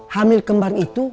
hamil kembar itu